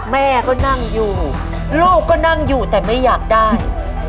แม่ก็นั่งอยู่ลูกก็นั่งอยู่แต่ไม่อยากได้